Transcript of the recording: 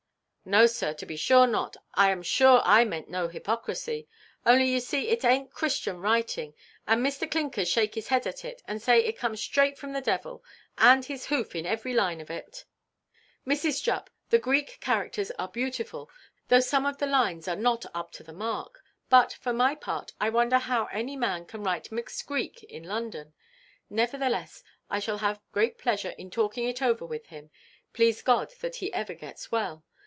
"No, sir, to be sure not. I am sure I meant no hypocrisy. Only you see it ainʼt Christian writing; and Mr. Clinkers shake his head at it, and say it come straight from the devil, and his hoof in every line of it." "Mrs. Jupp, the Greek characters are beautiful, though some of the lines are not up to the mark. But, for my part, I wonder how any man can write mixed Greek in London. Nevertheless, I shall have great pleasure in talking it over with him, please God that he ever gets well.